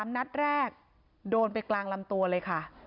นัดแรกโดนไปกลางลำตัวเลยค่ะ